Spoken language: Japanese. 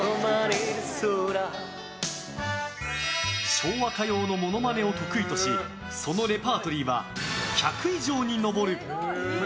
昭和歌謡のモノマネを得意としそのレパートリーは１００以上に上る。